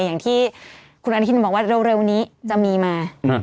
อย่างที่คุณอนุทินบอกว่าเร็วนี้จะมีมา